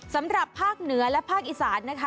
สำหรับภาคเหนือและภาคอีสานนะคะ